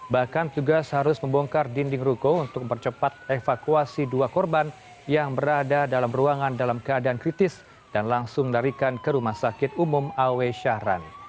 bahkan tugas harus membongkar dinding ruko untuk mempercepat evakuasi dua korban yang berada dalam ruangan dalam keadaan kritis dan langsung larikan ke rumah sakit umum awe syahrani